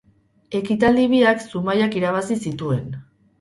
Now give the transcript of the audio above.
Ekitaldi biak Zumaiak irabazi zituen.